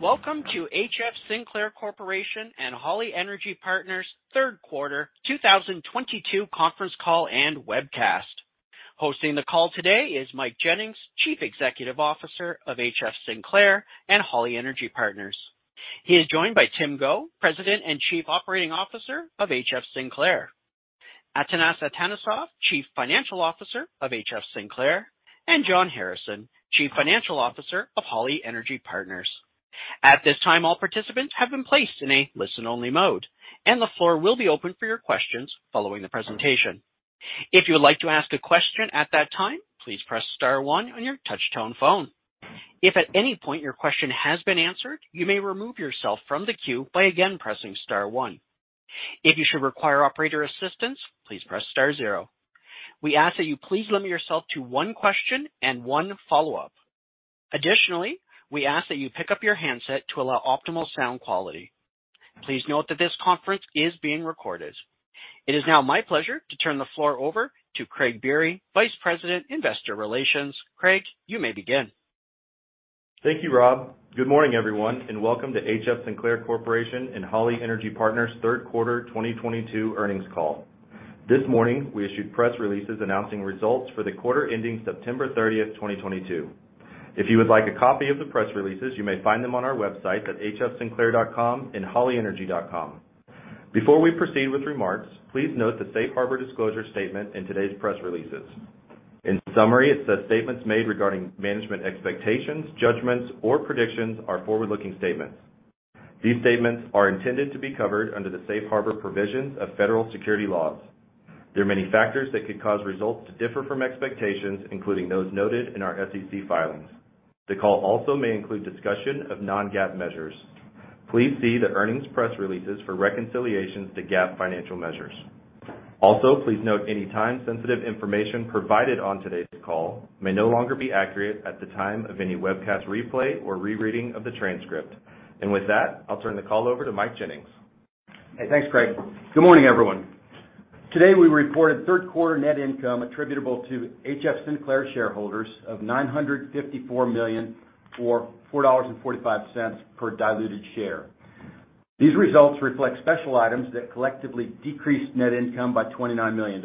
Welcome to HF Sinclair Corporation and Holly Energy Partners Q3 2022 Conference Call and webcast. Hosting the call today is Mike Jennings, Chief Executive Officer of HF Sinclair and Holly Energy Partners. He is joined by Tim Go, President and Chief Operating Officer of HF Sinclair. Atanas Atanasov, Chief Financial Officer of HF Sinclair, and John Harrison, Chief Financial Officer of Holly Energy Partners. At this time, all participants have been placed in a listen-only mode, and the floor will be open for your questions following the presentation. If you would like to ask a question at that time, please press star one on your touch-tone phone. If at any point your question has been answered, you may remove yourself from the queue by again pressing star one. If you should require operator assistance, please press star zero. We ask that you please limit yourself to one question and one follow-up. Additionally, we ask that you pick up your handset to allow optimal sound quality. Please note that this conference is being recorded. It is now my pleasure to turn the floor over to Craig Berry, Vice President, Investor Relations. Craig, you may begin. Thank you, Rob. Good morning, everyone, and welcome to HF Sinclair Corporation and Holly Energy Partners Q3 2022 Earnings Call. This morning, we issued press releases announcing results for the quarter ending September 30, 2022. If you would like a copy of the press releases, you may find them on our website at hfsinclair.com and hollyenergy.com. Before we proceed with remarks, please note the Safe Harbor disclosure statement in today's press releases. In summary, it says statements made regarding management expectations, judgments, or predictions are forward-looking statements. These statements are intended to be covered under the Safe Harbor provisions of federal securities laws. There are many factors that could cause results to differ from expectations, including those noted in our SEC filings. The call also may include discussion of Non-GAAP measures. Please see the earnings press releases for reconciliations to GAAP financial measures. Also, please note any time-sensitive information provided on today's call may no longer be accurate at the time of any webcast replay or rereading of the transcript. With that, I'll turn the call over to Mike Jennings. Hey, thanks, Craig. Good morning, everyone. Today, we reported third quarter net income attributable to HF Sinclair shareholders of $954 million or $4.45 per diluted share. These results reflect special items that collectively decreased net income by $29 million.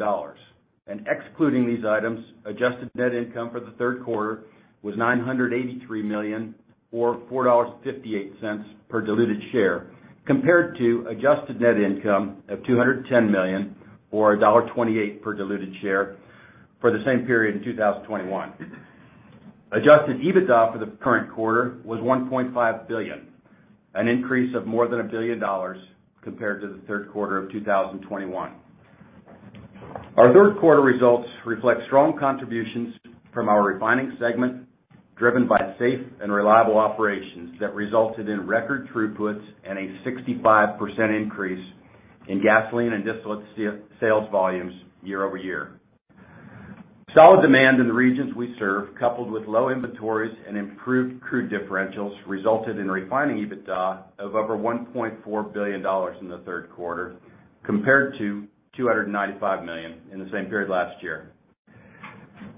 Excluding these items, adjusted net income for the third quarter was $983 million or $4.58 per diluted share, compared to adjusted net income of $210 million or $1.28 per diluted share for the same period in 2021. Adjusted EBITDA for the current quarter was $1.5 billion, an increase of more than $1 billion compared to the Q3 of 2021. Our Q3 results reflect strong contributions from our refining segment, driven by safe and reliable operations that resulted in record throughputs and a 65% increase in gasoline and distillate sales volumes year-over-year. Solid demand in the regions we serve, coupled with low inventories and improved crude differentials, resulted in refining EBITDA of over $1.4 billion in the third quarter, compared to $295 million in the same period last year.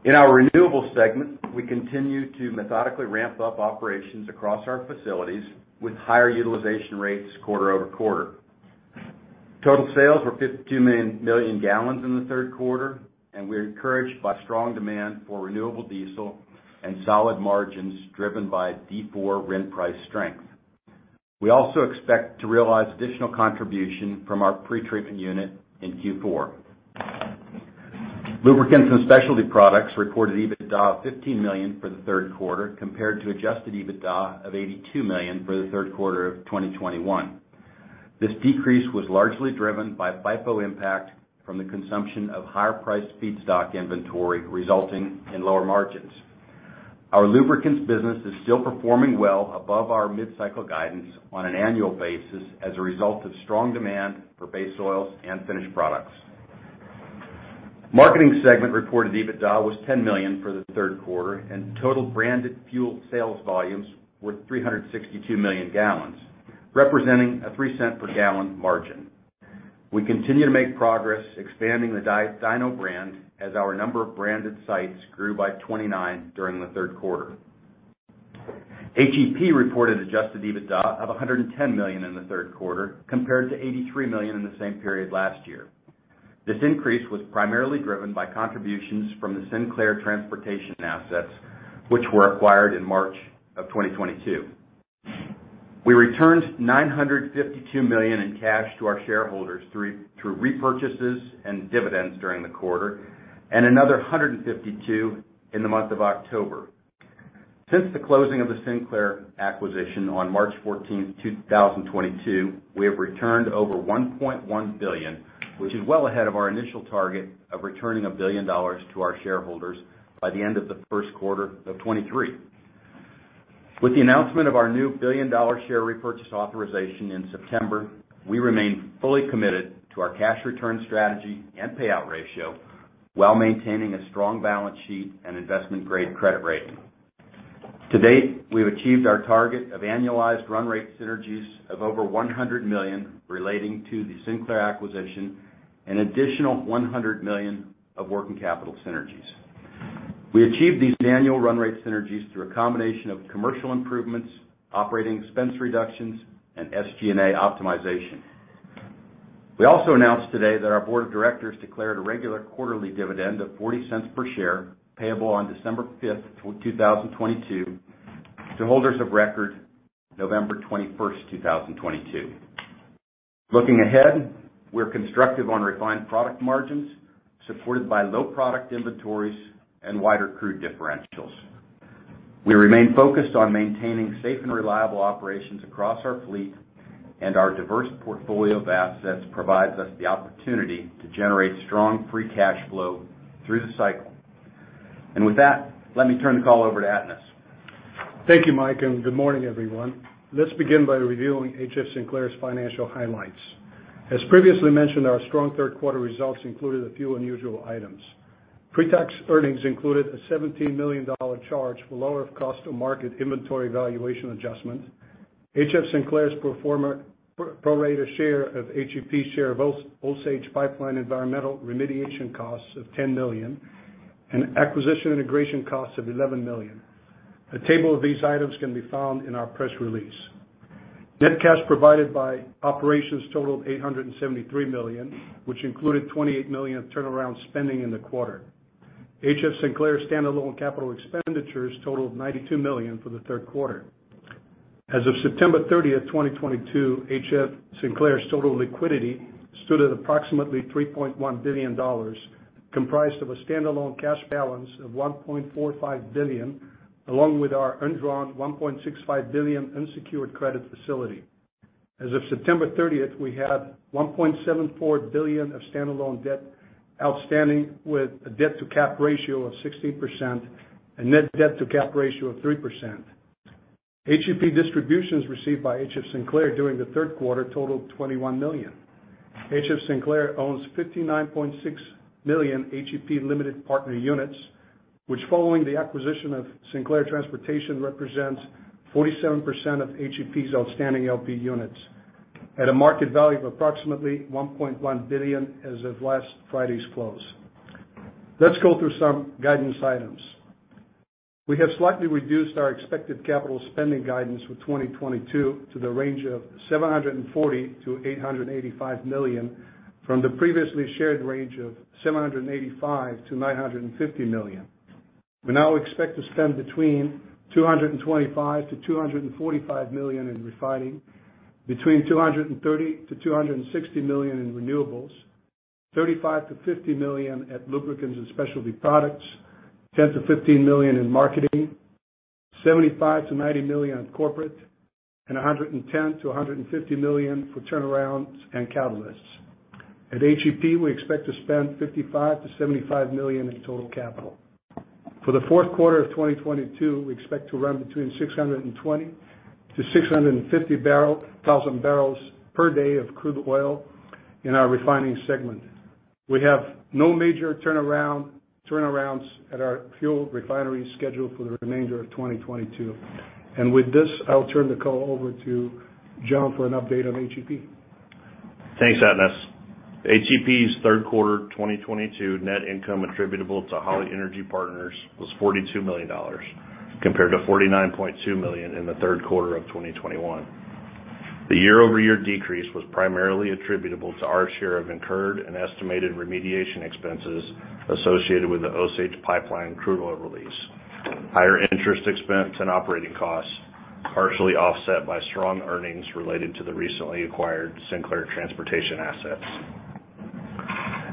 In our renewable segment, we continue to methodically ramp up operations across our facilities with higher utilization rates quarter-over-quarter. Total sales were 52 million gallons in the third quarter, and we're encouraged by strong demand for renewable diesel and solid margins driven by D4 RIN price strength. We also expect to realize additional contribution from our pretreatment unit in Q4. Lubricants and specialty products reported EBITDA of $15 million for the Q3, compared to adjusted EBITDA of $82 million for the Q3 of 2021. This decrease was largely driven by FIFO impact from the consumption of higher-priced feedstock inventory, resulting in lower margins. Our lubricants business is still performing well above our mid-cycle guidance on an annual basis as a result of strong demand for base oils and finished products. Marketing segment reported EBITDA was $10 million for the third quarter, and total branded fuel sales volumes were 362 million gallons, representing a $0.03 per gallon margin. We continue to make progress expanding the DINO brand as our number of branded sites grew by 29 during the third quarter. HEP reported adjusted EBITDA of $110 million in the third quarter, compared to $83 million in the same period last year. This increase was primarily driven by contributions from the Sinclair transportation assets, which were acquired in March 2022. We returned $952 million in cash to our shareholders through repurchases and dividends during the quarter, and another $152 million in the month of October. Since the closing of the Sinclair acquisition on March 14, 2022, we have returned over $1.1 billion, which is well ahead of our initial target of returning $1 billion to our shareholders by the end of the first quarter of 2023. With the announcement of our new billion-dollar share repurchase authorization in September, we remain fully committed to our cash return strategy and payout ratio while maintaining a strong balance sheet and investment-grade credit rating. To date, we've achieved our target of annualized run rate synergies of over $100 million relating to the Sinclair acquisition, an additional $100 million of working capital synergies. We achieved these annual run rate synergies through a combination of commercial improvements, operating expense reductions, and SG&A optimization. We also announced today that our board of directors declared a regular quarterly dividend of $0.40 per share, payable on December 5, 2022, to holders of record November 21, 2022. Looking ahead, we're constructive on refined product margins, supported by low product inventories and wider crude differentials. We remain focused on maintaining safe and reliable operations across our fleet, and our diverse portfolio of assets provides us the opportunity to generate strong free cash flow through the cycle. With that, let me turn the call over to Atanas Atanasov. Thank you, Mike, and good morning, everyone. Let's begin by reviewing HF Sinclair's financial highlights. As previously mentioned, our strong Q3 results included a few unusual items. Pre-tax earnings included a $17 million charge for lower of cost or market inventory valuation adjustments. HF Sinclair's pro forma pro-rata share of HEP's share of Osage Pipeline environmental remediation costs of $10 million and acquisition integration costs of $11 million. A table of these items can be found in our press release. Net cash provided by operations totaled $873 million, which included $28 million in turnaround spending in the quarter. HF Sinclair standalone capital expenditures totaled $92 million for the third quarter. As of September 30, 2022, HF. Sinclair's total liquidity stood at approximately $3.1 billion, comprised of a standalone cash balance of $1.45 billion, along with our undrawn $1.65 billion unsecured credit facility. As of September 30, we had $1.74 billion of standalone debt outstanding, with a debt-to-cap ratio of 16% and net debt-to-cap ratio of 3%. HEP distributions received by HF Sinclair during the Q3 totaled $21 million. HF Sinclair owns 59.6 million HEP limited partner units, which following the acquisition of Sinclair Transportation, represents 47% of HEP's outstanding LP units at a market value of approximately $1.1 billion as of last Friday's close. Let's go through some guidance items. We have slightly reduced our expected capital spending guidance for 2022 to the range of $740 million-$885 million from the previously shared range of $785 million-$950 million. We now expect to spend between $225 million-$245 million in refining, between $230 million-$260 million in renewables, $35 million-$50 million at lubricants and specialty products, $10 million-$15 million in marketing, $75 million-$90 million on corporate, and $110 million-$150 million for turnarounds and catalysts. At HEP, we expect to spend $55 million-$75 million in total capital. For the Q4 of 2022, we expect to run between 620-650 thousand barrels per day of crude oil in our refining segment. We have no major turnarounds at our refineries scheduled for the remainder of 2022. With this, I'll turn the call over to John for an update on HEP. Thanks, Atanas. HEP's Q3 2022 net income attributable to Holly Energy Partners was $42 million, compared to $49.2 million in the Q3 of 2021. The year-over-year decrease was primarily attributable to our share of incurred and estimated remediation expenses associated with the Osage Pipe Line crude oil release, higher interest expense and operating costs, partially offset by strong earnings related to the recently acquired Sinclair Transportation assets.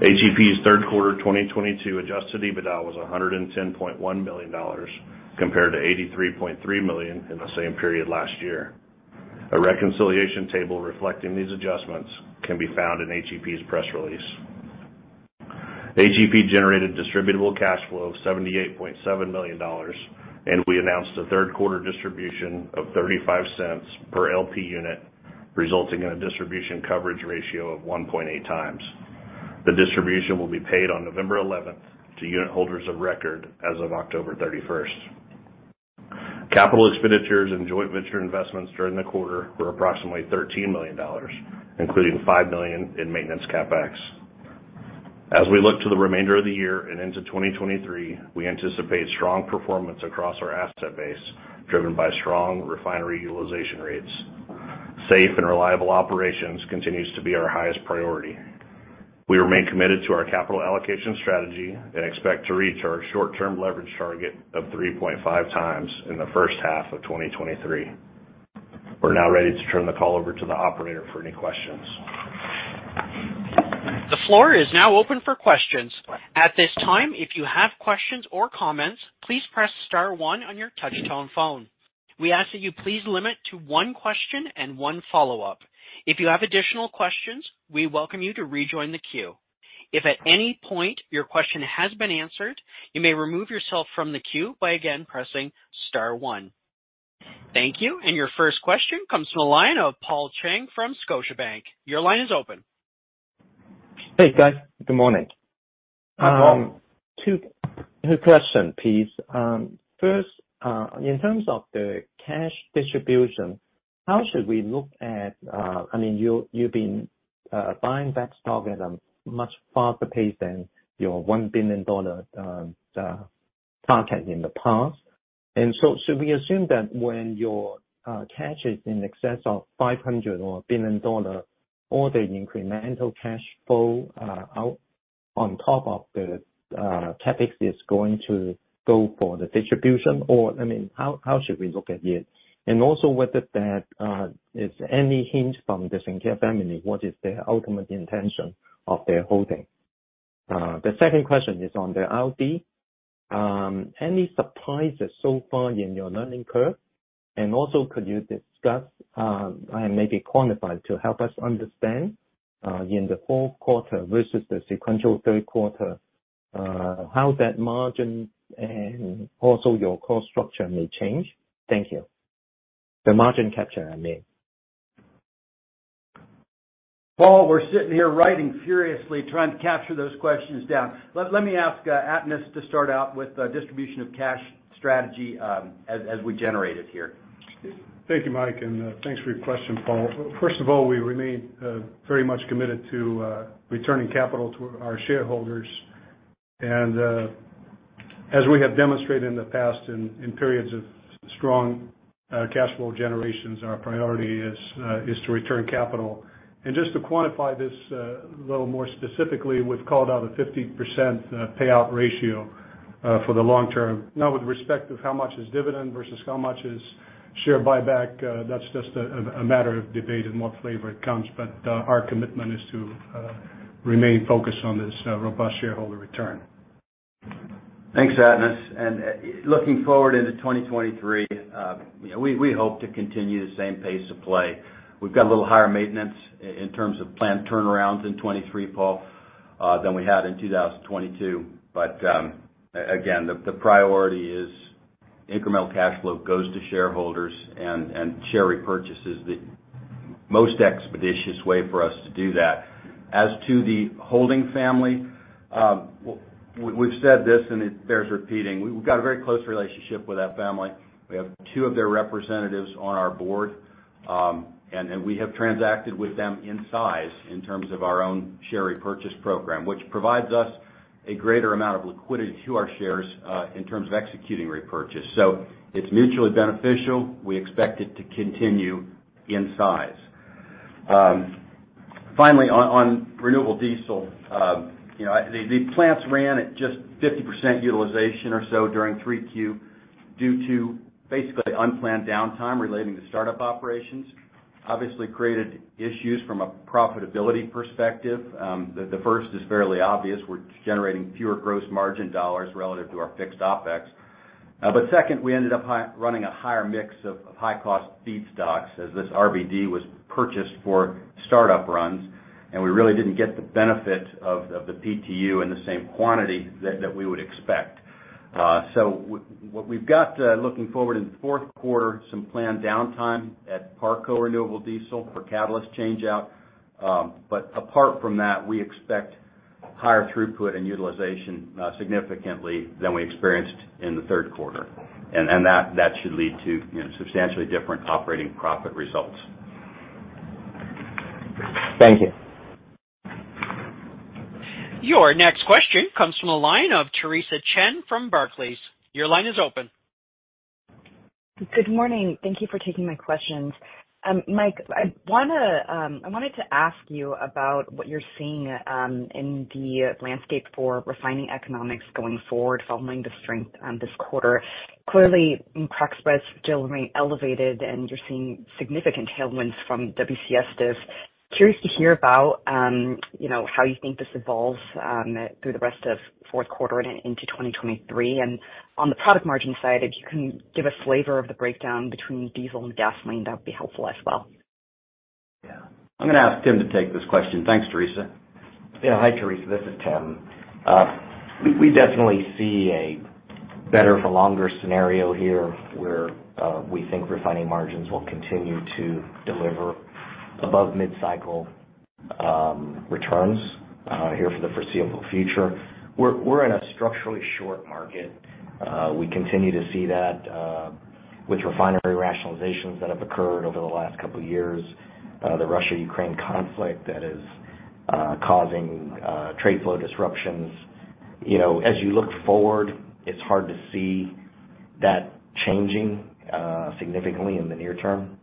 HEP's third quarter 2022 adjusted EBITDA was $110.1 million, compared to $83.3 million in the same period last year. A reconciliation table reflecting these adjustments can be found in HEP's press release. HEP generated distributable cash flow of $78.7 million, and we announced a third quarter distribution of $0.35 per LP unit, resulting in a distribution coverage ratio of 1.8 times. The distribution will be paid on November 11 to unitholders of record as of October 31. Capital expenditures and joint venture investments during the quarter were approximately $13 million, including $5 million in maintenance CapEx. We look to the remainder of the year and into 2023, we anticipate strong performance across our asset base, driven by strong refinery utilization rates. Safe and reliable operations continues to be our highest priority. We remain committed to our capital allocation strategy and expect to reach our short-term leverage target of 3.5x in the first half of 2023. We're now ready to turn the call over to the operator for any questions. The floor is now open for questions. At this time, if you have questions or comments, please press star one on your touch tone phone. We ask that you please limit to one question and one follow-up. If you have additional questions, we welcome you to rejoin the queue. If at any point your question has been answered, you may remove yourself from the queue by again pressing star one. Thank you. Your first question comes from the line of Paul Cheng from Scotiabank. Your line is open. Hey, guys. Good morning. Hi, Paul. Two questions, please. First, in terms of the cash distribution. How should we look at, I mean, you've been buying back stock at a much faster pace than your $1 billion target in the past. Should we assume that when your cash is in excess of $500 or $1 billion, all the incremental cash flow out on top of the CapEx is going to go for the distribution? Or, I mean, how should we look at it? Also, is there any hint from the Sinclair family what is their ultimate intention of their holding? The second question is on the RD. Any surprises so far in your learning curve? Also could you discuss, and maybe quantify to help us understand, in the Q4 versus the sequential third quarter, how that margin and also your cost structure may change? Thank you. The margin capture, I mean. Paul, we're sitting here writing furiously trying to capture those questions down. Let me ask Atanas to start out with the distribution of cash strategy, as we generate it here. Thank you, Mike, and thanks for your question, Paul. First of all, we remain very much committed to returning capital to our shareholders. As we have demonstrated in the past in periods of strong cash flow generations, our priority is to return capital. Just to quantify this a little more specifically, we've called out a 50% payout ratio for the long term. Now, with respect to how much is dividend versus how much is share buyback, that's just a matter of debate in what flavor it comes. Our commitment is to remain focused on this robust shareholder return. Thanks, Atanas. Looking forward into 2023, you know, we hope to continue the same pace of play. We've got a little higher maintenance in terms of planned turnarounds in 2023, Paul, than we had in 2022. Again, the priority is incremental cash flow goes to shareholders and share repurchases, the most expeditious way for us to do that. As to the holding family, we've said this and it bears repeating. We've got a very close relationship with that family. We have two of their representatives on our board, and we have transacted with them in size in terms of our own share repurchase program, which provides us a greater amount of liquidity to our shares in terms of executing repurchase. It's mutually beneficial. We expect it to continue in size. Finally, on renewable diesel, you know, the plants ran at just 50% utilization or so during 3Q due to basically unplanned downtime relating to startup operations. Obviously created issues from a profitability perspective. The first is fairly obvious. We're generating fewer gross margin dollars relative to our fixed OpEx. Second, we ended up running a higher mix of high-cost feedstocks as this RBD was purchased for startup runs, and we really didn't get the benefit of the PTU in the same quantity that we would expect. What we've got looking forward in the fourth quarter, some planned downtime at Parco Renewable Diesel for catalyst change-out. Apart from that, we expect higher throughput and utilization significantly than we experienced in the Q3. That should lead to, you know, substantially different operating profit results. Thank you. Your next question comes from the line of Theresa Chen from Barclays. Your line is open. Good morning. Thank you for taking my questions. Mike, I wanted to ask you about what you're seeing in the landscape for refining economics going forward following the strength this quarter. Clearly, crack spreads still remain elevated, and you're seeing significant tailwinds from WCS diff. Curious to hear about, you know, how you think this evolves through the rest of fourth quarter and into 2023. On the product margin side, if you can give a flavor of the breakdown between diesel and gasoline, that'd be helpful as well. Yeah. I'm gonna ask Tim to take this question. Thanks, Theresa. Yeah. Hi, Theresa. This is Tim. We definitely see a better for longer scenario here, where we think refining margins will continue to deliver above mid-cycle returns here for the foreseeable future. We're in a structurally short market. We continue to see that with refinery rationalizations that have occurred over the last couple years, the Russia-Ukraine conflict that is causing trade flow disruptions. You know, as you look forward, it's hard to see that changing significantly in the near term.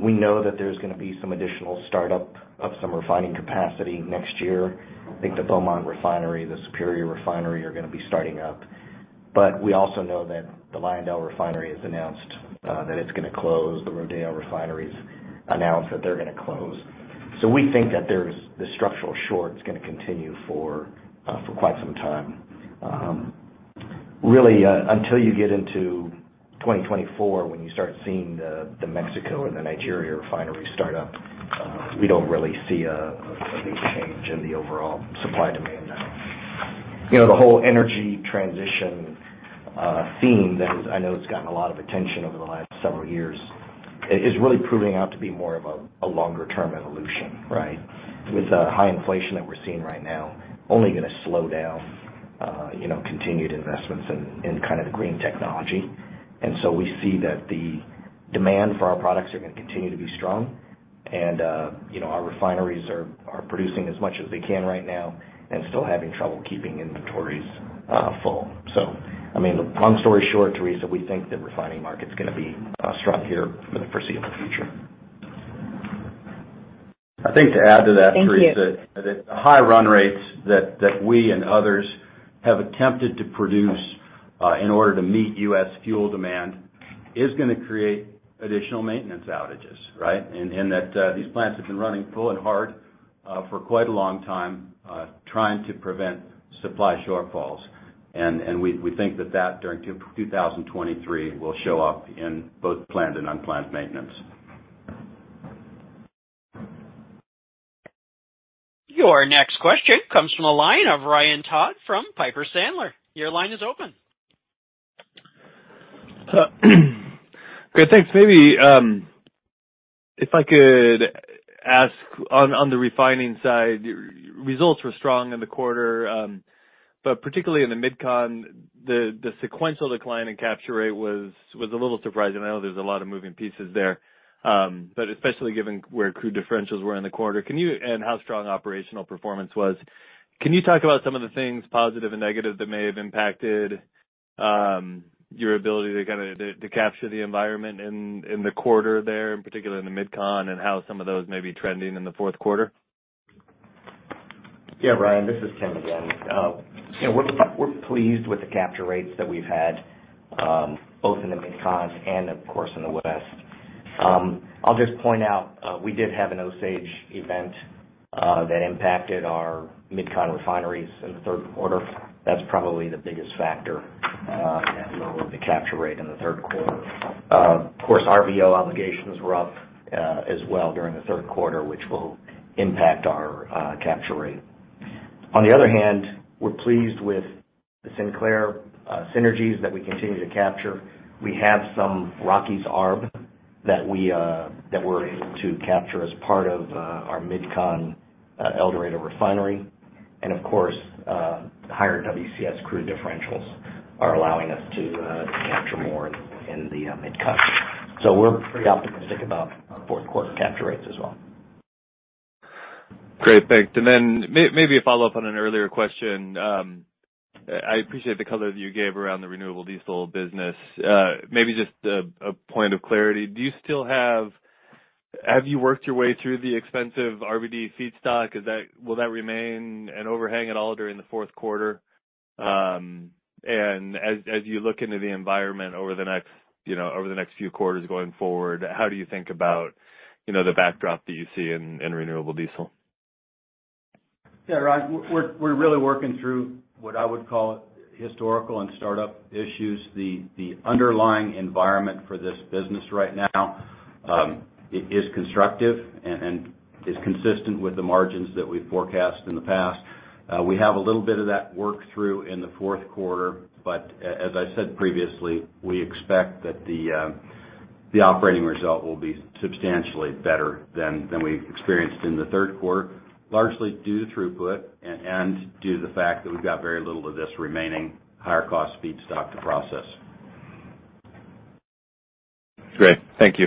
We know that there's gonna be some additional startup of some refining capacity next year. I think the Beaumont Refinery, the Superior Refinery are gonna be starting up. But we also know that the LyondellBasell Refinery has announced that it's gonna close. The Rodeo Refinery's announced that they're gonna close. We think that there's the structural short is gonna continue for quite some time. Really, until you get into 2024, when you start seeing the Mexico and the Nigeria refinery start up, we don't really see a big change in the overall supply demand. You know, the whole energy transition theme that I know has gotten a lot of attention over the last several years is really proving out to be more of a longer-term evolution, right? With the high inflation that we're seeing right now only gonna slow down. You know, continued investments in kind of the green technology. We see that the demand for our products are gonna continue to be strong. You know, our refineries are producing as much as they can right now and still having trouble keeping inventories full. I mean, long story short, Theresa, we think the refining market's gonna be strong here for the foreseeable future. I think to add to that, Theresa. Thank you. The high run rates that we and others have attempted to produce in order to meet U.S. fuel demand is gonna create additional maintenance outages, right? These plants have been running full and hard for quite a long time trying to prevent supply shortfalls. We think that during 2023 will show up in both planned and unplanned maintenance. Your next question comes from the line of Ryan Todd from Piper Sandler. Your line is open. Okay, thanks. Maybe if I could ask on the refining side, results were strong in the quarter, but particularly in the Mid-Con, the sequential decline in capture rate was a little surprising. I know there's a lot of moving pieces there. Especially given where crude differentials were in the quarter and how strong operational performance was. Can you talk about some of the things, positive and negative, that may have impacted your ability to kind of capture the environment in the quarter there, in particular in the Mid-Con, and how some of those may be trending in the Q4? Yeah, Ryan, this is Tim again. You know, we're pleased with the capture rates that we've had both in the Mid-Cons and of course in the West. I'll just point out we did have an Osage event that impacted our Mid-Con refineries in the Q3. That's probably the biggest factor and lowered the capture rate in the Q3. Of course, RVO obligations were up as well during the Q3, which will impact our capture rate. On the other hand, we're pleased with the Sinclair synergies that we continue to capture. We have some Rockies ARB that we're able to capture as part of our Mid-Con El Dorado refinery. Of course, higher WCS crude differentials are allowing us to capture more in the Mid-Con. We're pretty optimistic about fourth quarter capture rates as well. Great. Thanks. Then maybe a follow-up on an earlier question. I appreciate the color that you gave around the renewable diesel business. Maybe just a point of clarity. Have you worked your way through the expensive RBD feedstock? Will that remain an overhang at all during the fourth quarter? As you look into the environment over the next, you know, over the next few quarters going forward, how do you think about, you know, the backdrop that you see in renewable diesel? Yeah, Ryan, we're really working through what I would call historical and startup issues. The underlying environment for this business right now, it is constructive and is consistent with the margins that we've forecast in the past. We have a little bit of that work through in the fourth quarter. As I said previously, we expect that the operating result will be substantially better than we experienced in the third quarter, largely due to throughput and due to the fact that we've got very little of this remaining higher cost feedstock to process. Great. Thank you.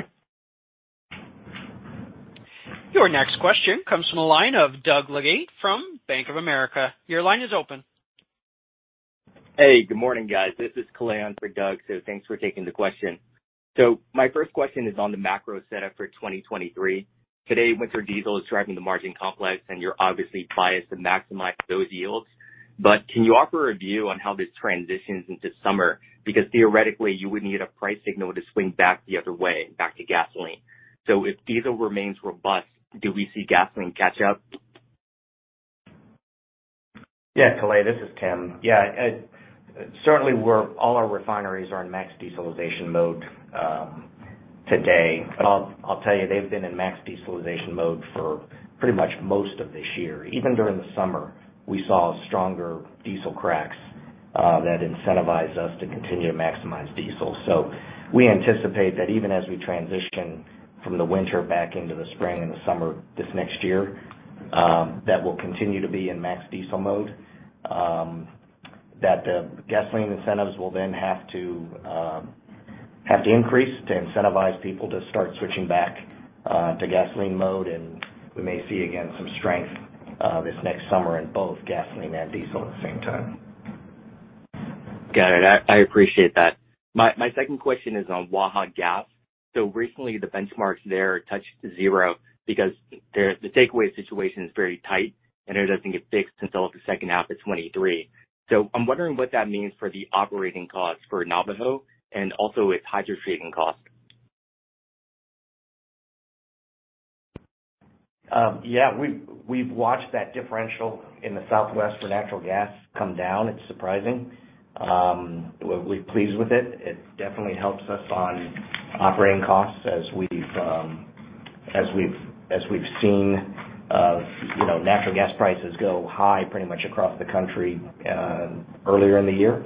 Your next question comes from the line of Doug Leggate from Bank of America. Your line is open. Hey, good morning, guys. This is Kalei in for Doug, so thanks for taking the question. My first question is on the macro setup for 2023. Today, winter diesel is driving the margin complex, and you're obviously biased to maximize those yields. Can you offer a view on how this transitions into summer? Because theoretically, you would need a price signal to swing back the other way, back to gasoline. If diesel remains robust, do we see gasoline catch up? Yeah, Kalei, this is Tim. Yeah, certainly we're all our refineries are in max dieselization mode today. I'll tell you, they've been in max dieselization mode for pretty much most of this year. Even during the summer, we saw stronger diesel cracks that incentivize us to continue to maximize diesel. We anticipate that even as we transition from the winter back into the spring and the summer this next year that we'll continue to be in max diesel mode. That the gasoline incentives will then have to have to increase to incentivize people to start switching back to gasoline mode. We may see again some strength this next summer in both gasoline and diesel at the same time. Got it. I appreciate that. My second question is on Waha gas. Recently, the benchmarks there touched zero because the takeaway situation is very tight, and it doesn't get fixed until the second half of 2023. I'm wondering what that means for the operating costs for Navajo and also its hydrotreating cost. Yeah. We've watched that differential in the Southwest for natural gas come down. It's surprising. We're pleased with it. It definitely helps us on operating costs as we've seen, you know, natural gas prices go high pretty much across the country earlier in the year.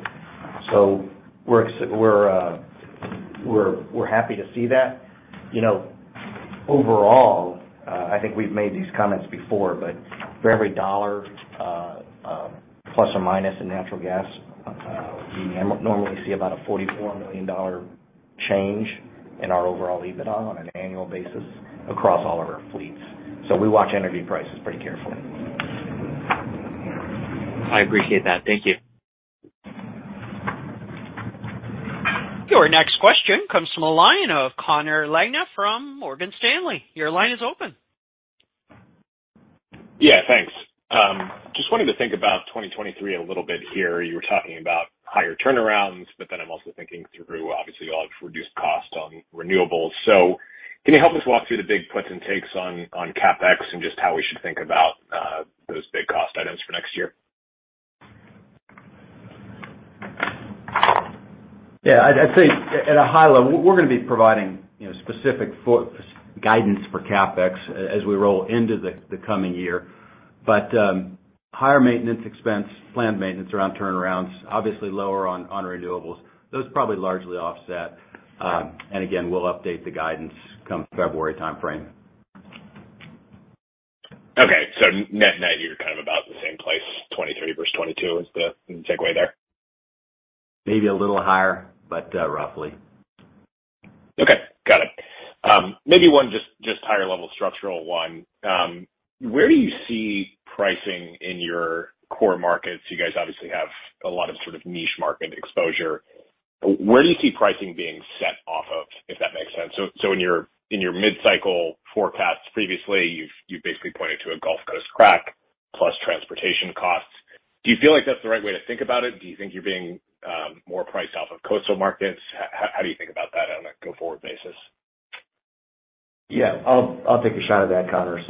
We're happy to see that. You know, overall, I think we've made these comments before, but for every dollar plus or minus in natural gas, we normally see about a $44 million change in our overall EBITDA on an annual basis across all of our fleets. We watch energy prices pretty carefully. I appreciate that. Thank you. Your next question comes from the line of Connor Lynagh from Morgan Stanley. Your line is open. Yeah, thanks. Just wanted to think about 2023 a little bit here. You were talking about higher turnarounds, but then I'm also thinking through, obviously, you all have reduced costs on renewables. Can you help us walk through the big puts and takes on CapEx and just how we should think about those big cost items for next year? I'd say at a high level, we're gonna be providing, you know, guidance for CapEx as we roll into the coming year. Higher maintenance expense, planned maintenance around turnarounds, obviously lower on renewables. Those probably largely offset. Again, we'll update the guidance come February timeframe. Okay. Net net, you're kind of about the same place, 2023 versus 2022 is the takeaway there? Maybe a little higher, but, roughly. Okay. Got it. Maybe one just higher level structural one. Where do you see pricing in your core markets? You guys obviously have a lot of sort of niche market exposure. Where do you see pricing being set off of, if that makes sense? So in your mid-cycle forecast previously, you basically pointed to a Gulf Coast crack plus transportation costs. Do you feel like that's the right way to think about it? Do you think you're being more priced off of coastal markets? How do you think about that on a go-forward basis? Yeah. I'll take a shot at that, Connor.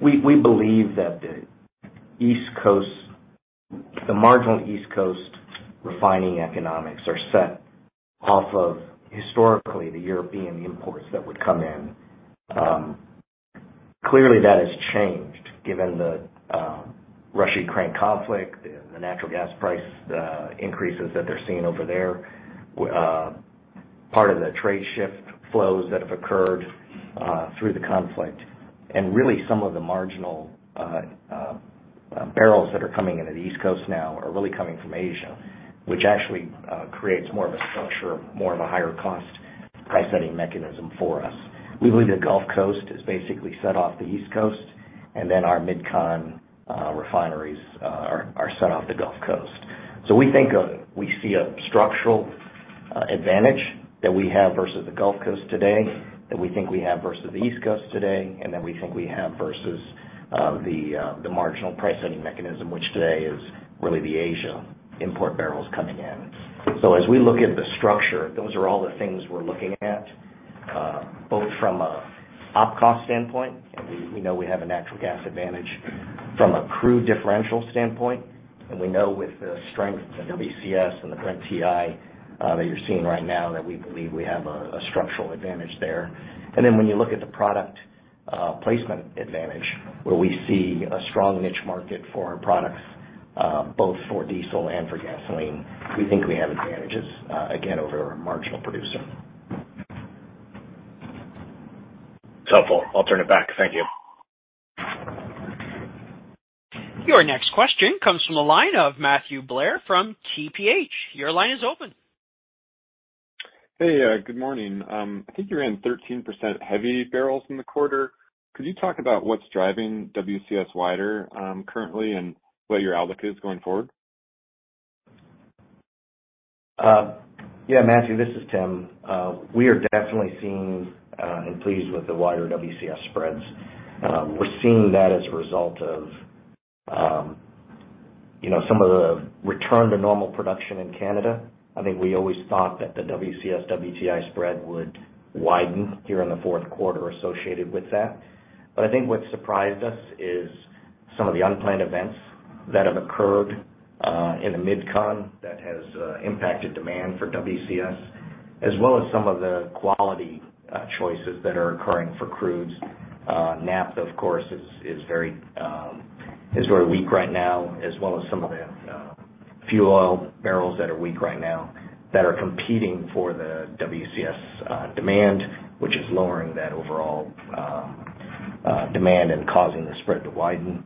We believe that the East Coast, the marginal East Coast refining economics are set off of, historically, the European imports that would come in. Clearly that has changed given the Russia-Ukraine conflict, the natural gas price increases that they're seeing over there. Part of the trade shift flows that have occurred through the conflict. Really some of the marginal barrels that are coming into the East Coast now are really coming from Asia, which actually creates more of a structure, more of a higher cost price setting mechanism for us. We believe the Gulf Coast is basically set off the East Coast, and then our Mid-Con refineries are set off the Gulf Coast. We see a structural advantage that we have versus the Gulf Coast today, that we think we have versus the East Coast today, and then we think we have versus the marginal price setting mechanism, which today is really the Asia import barrels coming in. As we look at the structure, those are all the things we're looking at both from an OpEx standpoint, and we know we have a natural gas advantage from a crude differential standpoint. We know with the strength of WCS and the Brent/WTI that you're seeing right now that we believe we have a structural advantage there. When you look at the product placement advantage, where we see a strong niche market for our products, both for diesel and for gasoline, we think we have advantages, again, over a marginal producer. Helpful. I'll turn it back. Thank you. Your next question comes from the line of Matthew Blair from TPH & Co. Your line is open. Hey. Good morning. I think you ran 13% heavy barrels in the quarter. Could you talk about what's driving WCS wider, currently and what your outlook is going forward? Matthew, this is Tim. We are definitely seeing and pleased with the wider WCS spreads. We're seeing that as a result of, you know, some of the return to normal production in Canada. I think we always thought that the WCS-WTI spread would widen here in the fourth quarter associated with that. I think what surprised us is some of the unplanned events that have occurred in the Mid-Con that has impacted demand for WCS, as well as some of the quality choices that are occurring for crudes. Naphtha, of course, is very weak right now, as well as some of the fuel oil barrels that are weak right now that are competing for the WCS demand, which is lowering that overall demand and causing the spread to widen.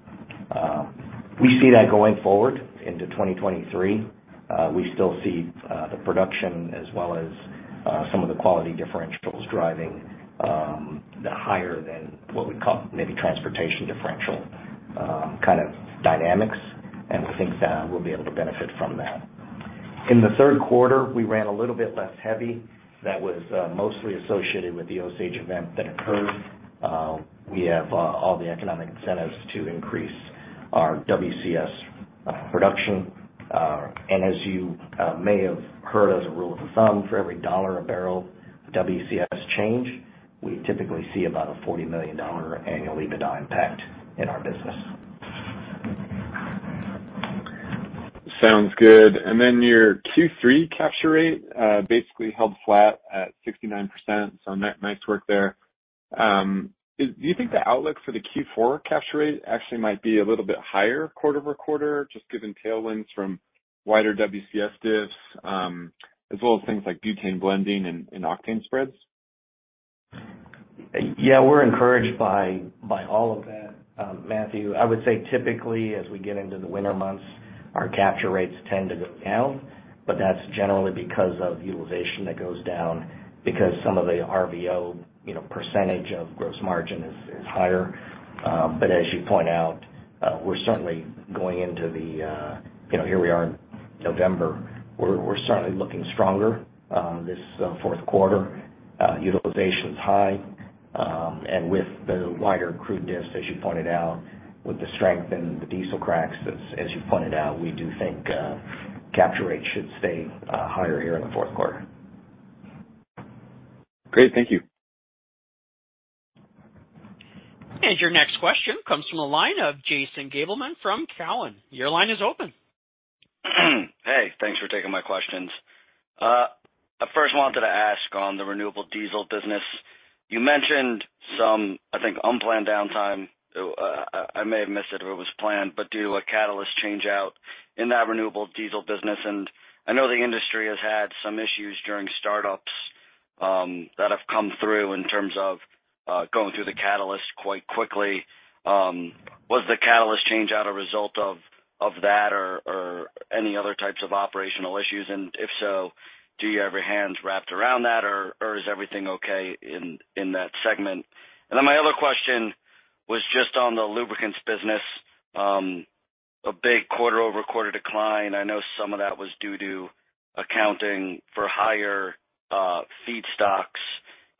We see that going forward into 2023. We still see the production as well as some of the quality differentials driving the higher than what we call maybe transportation differential kind of dynamics. I think that we'll be able to benefit from that. In the Q3, we ran a little bit less heavy. That was mostly associated with the Osage event that occurred. We have all the economic incentives to increase our WCS production. As you may have heard as a rule of thumb, for every $1 a barrel WCS change, we typically see about a $40 million annual EBITDA impact in our business. Sounds good. Your Q3 capture rate basically held flat at 69%, so nice work there. Do you think the outlook for the Q4 capture rate actually might be a little bit higher quarter-over-quarter, just given tailwinds from wider WCS diffs, as well as things like butane blending and octane spreads? Yeah, we're encouraged by all of that, Matthew. I would say typically, as we get into the winter months, our capture rates tend to go down, but that's generally because of utilization that goes down because some of the RVO, you know, percentage of gross margin is higher. As you point out, we're certainly going into the, you know, here we are in November. We're certainly looking stronger, this Q4. Utilization's high, and with the wider crude diffs, as you pointed out, with the strength in the diesel cracks, as you pointed out, we do think capture rates should stay higher here in the fourth quarter. Great. Thank you. Your next question comes from the line of Jason Gabelman from Cowen. Your line is open. Hey, thanks for taking my questions. I first wanted to ask on the renewable diesel business. You mentioned some, I think, unplanned downtime. I may have missed it if it was planned, but due to a catalyst change-out in that renewable diesel business, and I know the industry has had some issues during startups, that have come through in terms of going through the catalyst quite quickly. Was the catalyst change out a result of that or any other types of operational issues? And if so, do you have your hands wrapped around that, or is everything okay in that segment? And then my other question was just on the lubricants business. A big quarter-over-quarter decline. I know some of that was due to accounting for higher feedstocks.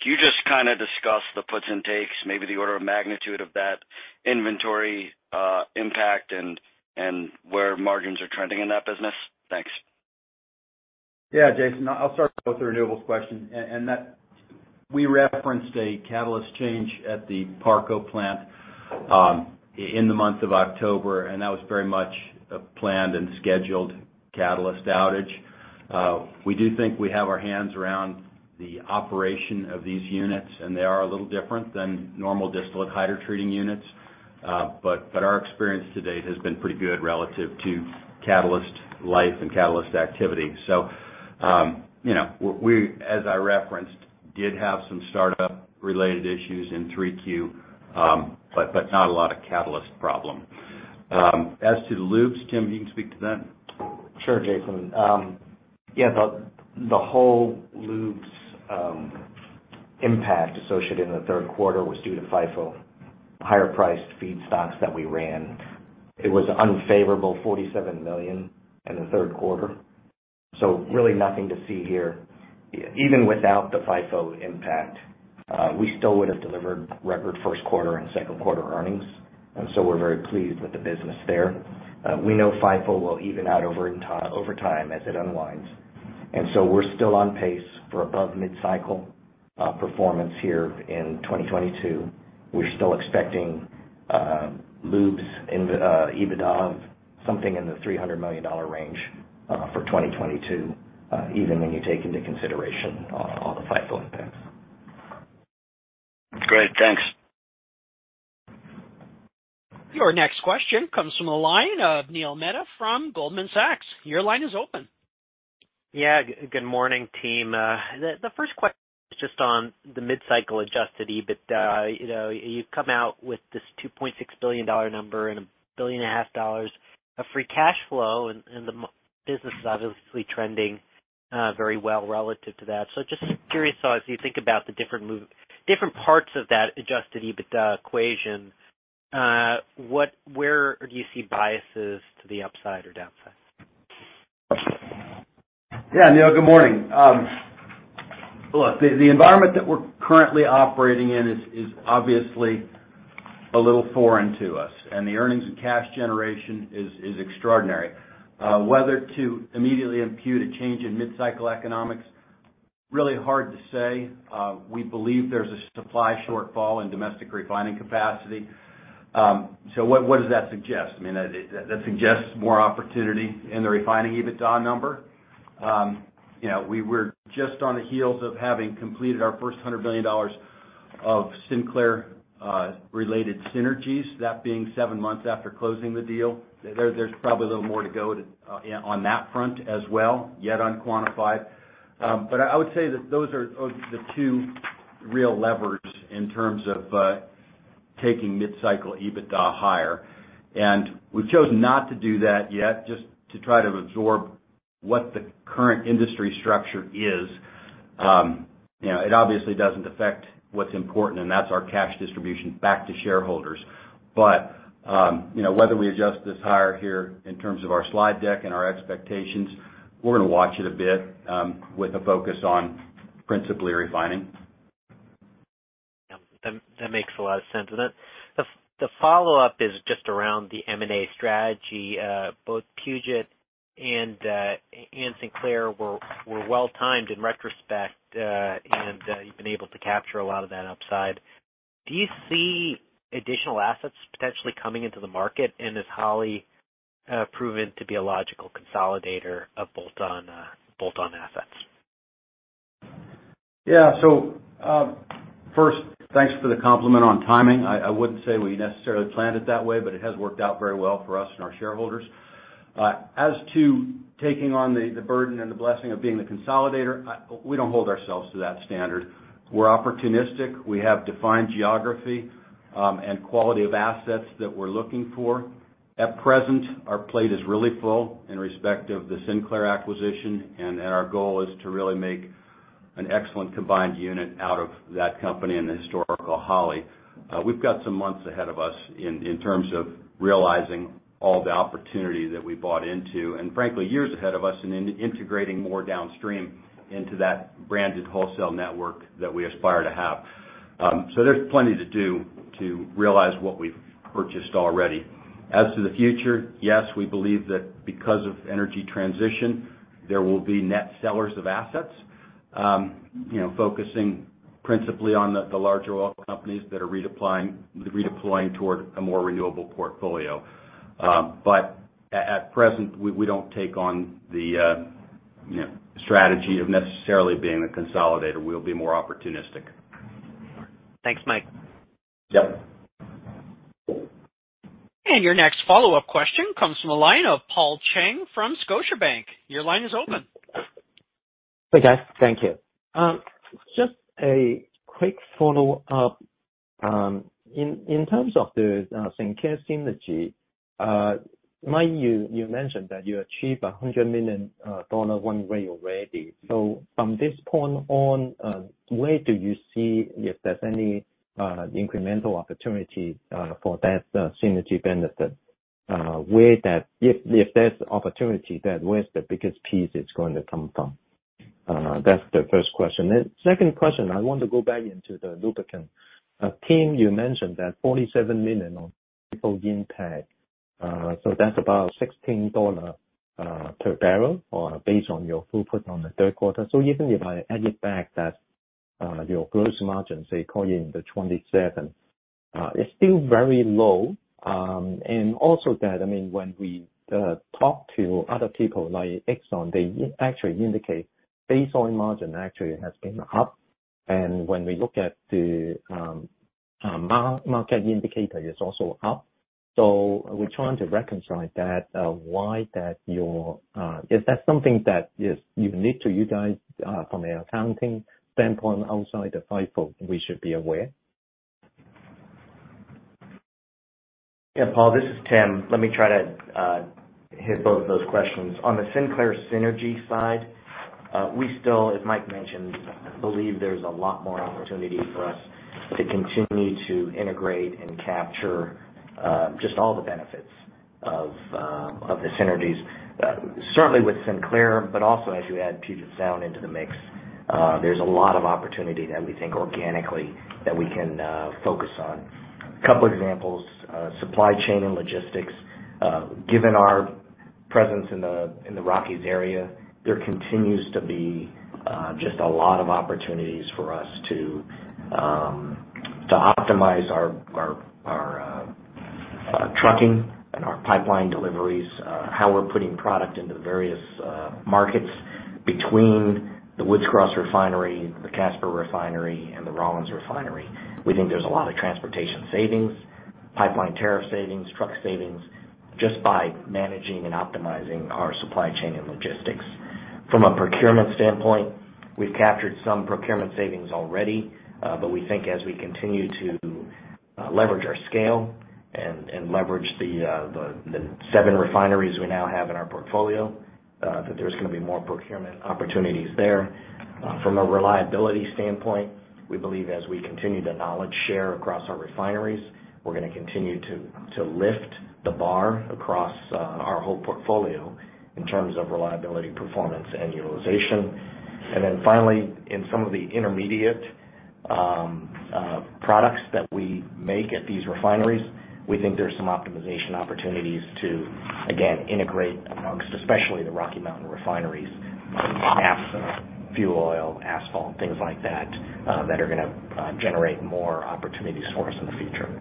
Can you just kinda discuss the puts and takes, maybe the order of magnitude of that inventory, impact and where margins are trending in that business? Thanks. Yeah, Jason Gabelman, I'll start with the renewables question. That we referenced a catalyst change at the Parco plant in the month of October, and that was very much a planned and scheduled catalyst outage. We do think we have our hands around the operation of these units, and they are a little different than normal distillate hydrotreating units. But our experience to date has been pretty good relative to catalyst life and catalyst activity. You know, we, as I referenced, did have some startup-related issues in Q3, but not a lot of catalyst problem. As to the lubes, Tim Go, you can speak to that. Sure, Jason. Yeah, the whole lubes impact associated in the Q3 was due to FIFO, higher priced feedstocks that we ran. It was unfavorable $47 million in the third quarter, so really nothing to see here. Even without the FIFO impact, we still would have delivered record Q1 and Q2. We're very pleased with the business there. We know FIFO will even out over time as it unwinds, so we're still on pace for above mid-cycle performance here in 2022. We're still expecting lubes in the EBITDA of something in the $300 million range for 2022, even when you take into consideration all the FIFO impacts. Great. Thanks. Your next question comes from the line of Neil Mehta from Goldman Sachs. Your line is open. Yeah. Good morning, team. The first question is just on the mid-cycle adjusted EBITDA. You know, you've come out with this $2.6 billion number and $1.5 billion of free cash flow, and the business is obviously trending very well relative to that. Just curious how as you think about the different parts of that adjusted EBITDA equation, where do you see biases to the upside or downside? Yeah, Neil, good morning. Look, the environment that we're currently operating in is obviously a little foreign to us, and the earnings and cash generation is extraordinary. Whether to immediately impute a change in mid-cycle economics is really hard to say. We believe there's a supply shortfall in domestic refining capacity. What does that suggest? I mean, that suggests more opportunity in the refining EBITDA number. You know, we were just on the heels of having completed our first $100 billion of Sinclair related synergies. That being seven months after closing the deal. There's probably a little more to go, yeah, on that front as well, yet unquantified. I would say that those are the two real levers in terms of taking mid-cycle EBITDA higher. We've chosen not to do that yet, just to try to absorb what the current industry structure is. You know, it obviously doesn't affect what's important, and that's our cash distribution back to shareholders. You know, whether we adjust this higher here in terms of our slide deck and our expectations, we're gonna watch it a bit, with a focus on principally refining. Yeah. That makes a lot of sense. Then the follow-up is just around the M&A strategy. Both Puget and Sinclair were well timed in retrospect. You've been able to capture a lot of that upside. Do you see additional assets potentially coming into the market? Is HollyFrontier proven to be a logical consolidator of bolt-on assets. Yeah. First, thanks for the compliment on timing. I wouldn't say we necessarily planned it that way, but it has worked out very well for us and our shareholders. As to taking on the burden and the blessing of being the consolidator, we don't hold ourselves to that standard. We're opportunistic. We have defined geography and quality of assets that we're looking for. At present, our plate is really full in respect of the Sinclair acquisition, and our goal is to really make an excellent combined unit out of that company and the historical Holly. We've got some months ahead of us in terms of realizing all the opportunity that we bought into, and frankly, years ahead of us in integrating more downstream into that branded wholesale network that we aspire to have. There's plenty to do to realize what we've purchased already. As to the future, yes, we believe that because of energy transition, there will be net sellers of assets, focusing principally on the larger oil companies that are redeploying toward a more renewable portfolio. At present, we don't take on the strategy of necessarily being a consolidator. We'll be more opportunistic. Thanks, Mike. Yep. Your next follow-up question comes from the line of Paul Cheng from Scotiabank. Your line is open. Hey, guys. Thank you. Just a quick follow-up. In terms of the Sinclair synergy, Mike, you mentioned that you achieved $100 million one way already. From this point on, where do you see if there's any incremental opportunity for that synergy benefit. If there's opportunity there, where is the biggest piece it's going to come from? That's the first question. Second question, I want to go back into the lubricant. Tim, you mentioned that $47 million on people impact. So that's about $16 per barrel or based on your throughput on the third quarter. Even if I add it back that your gross margin, say, call it in the 27, it's still very low. I mean, when we talk to other people like Exxon, they actually indicate base oil margin actually has been up. When we look at the market indicator, it's also up. We're trying to reconcile that. Is that something that is unique to you guys from an accounting standpoint outside the FIFO we should be aware? Yeah, Paul, this is Tim. Let me try to hit both of those questions. On the Sinclair synergy side, we still, as Mike mentioned, believe there's a lot more opportunity for us to continue to integrate and capture just all the benefits of the synergies, certainly with Sinclair, but also as you add Puget Sound into the mix. There's a lot of opportunity that we think organically that we can focus on. A couple examples, supply chain and logistics. Given our presence in the Rockies area, there continues to be just a lot of opportunities for us to optimize our trucking and our pipeline deliveries, how we're putting product into the various markets between the Woods Cross Refinery, the Casper Refinery, and the Rawlins Refinery. We think there's a lot of transportation savings, pipeline tariff savings, truck savings, just by managing and optimizing our supply chain and logistics. From a procurement standpoint, we've captured some procurement savings already, but we think as we continue to leverage our scale and leverage the seven refineries we now have in our portfolio, that there's gonna be more procurement opportunities there. From a reliability standpoint, we believe as we continue to knowledge share across our refineries, we're gonna continue to lift the bar across our whole portfolio in terms of reliability, performance, and utilization. Finally, in some of the intermediate products that we make at these refineries, we think there's some optimization opportunities to, again, integrate amongst, especially the Rocky Mountain refineries, naphtha, fuel oil, asphalt, things like that are gonna generate more opportunities for us in the future.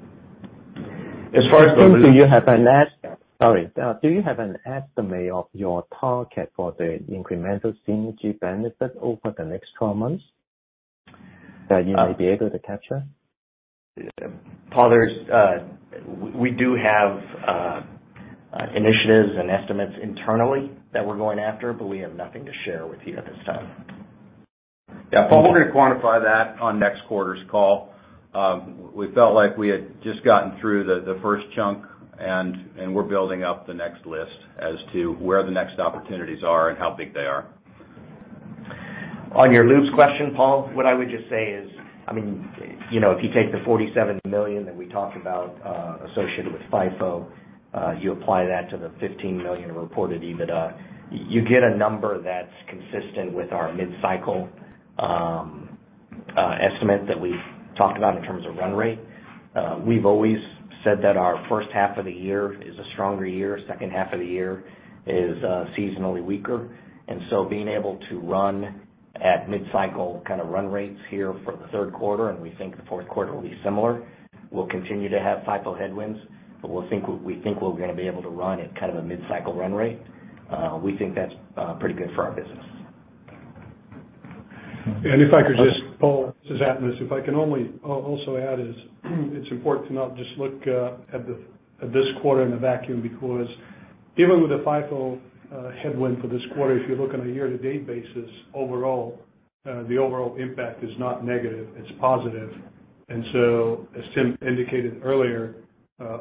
As far as the- Sorry. Do you have an estimate of your target for the incremental synergy benefit over the next 12 months that you may be able to capture? Paul, we do have initiatives and estimates internally that we're going after, but we have nothing to share with you at this time. Yeah. Paul, we're gonna quantify that on next quarter's call. We felt like we had just gotten through the first chunk, and we're building up the next list as to where the next opportunities are and how big they are. On your lubes question, Paul, what I would just say is, I mean, you know, if you take the $47 million that we talked about, associated with FIFO, you apply that to the $15 million reported EBITDA, you get a number that's consistent with our mid-cycle estimate that we've talked about in terms of run rate. We've always said that our first half of the year is a stronger year, second half of the year is seasonally weaker. Being able to run at mid-cycle kind of run rates here for the third quarter, and we think the Q4 will be similar. We'll continue to have FIFO headwinds, but we think we're gonna be able to run at kind of a mid-cycle run rate. We think that's pretty good for our business. Paul, this is Atanas. I can also add, it's important to not just look at this quarter in a vacuum because even with the FIFO headwind for this quarter, if you look on a year-to-date basis, overall, the overall impact is not negative, it's positive. As Tim indicated earlier,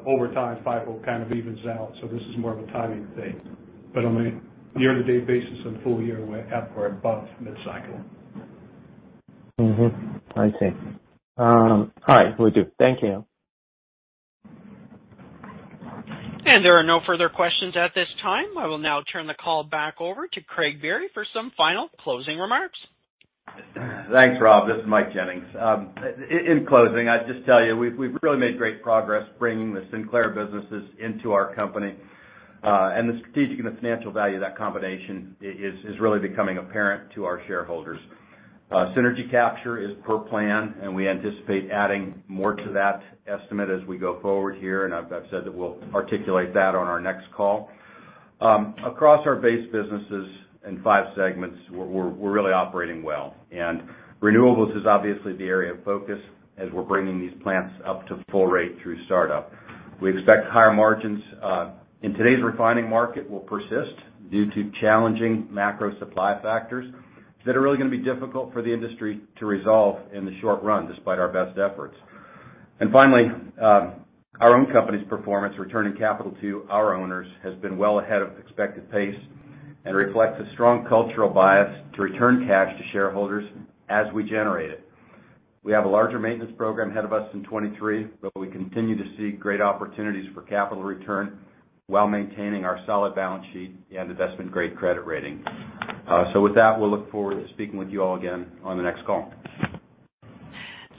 over time, FIFO kind of evens out, so this is more of a timing thing. On a year-to-date basis and full year, we're at or above mid-cycle. I see. All right, will do. Thank you. There are no further questions at this time. I will now turn the call back over to Craig Berry for some final closing remarks. Thanks, Rob. This is Mike Jennings. In closing, I'd just tell you, we've really made great progress bringing the Sinclair businesses into our company. The strategic and the financial value of that combination is really becoming apparent to our shareholders. Synergy capture is per plan, and we anticipate adding more to that estimate as we go forward here, and I've said that we'll articulate that on our next call. Across our base businesses in five segments, we're really operating well. Renewables is obviously the area of focus as we're bringing these plants up to full rate through startup. We expect higher margins in today's refining market will persist due to challenging macro supply factors that are really gonna be difficult for the industry to resolve in the short run, despite our best efforts. Finally, our own company's performance, returning capital to our owners, has been well ahead of expected pace and reflects a strong cultural bias to return cash to shareholders as we generate it. We have a larger maintenance program ahead of us in 2023, but we continue to see great opportunities for capital return while maintaining our solid balance sheet and investment-grade credit rating. With that, we'll look forward to speaking with you all again on the next call.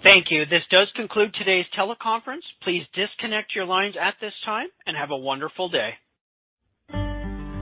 Thank you. This does conclude today's teleconference. Please disconnect your lines at this time, and have a wonderful day.